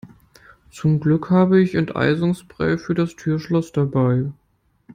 Zum Glück habe ich Enteisungsspray für das Türschloss dabei.